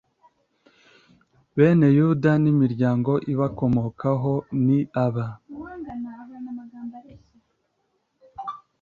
Bene Yuda n imiryango ibakomokaho ni aba